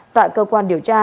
tại cơ quan điều tra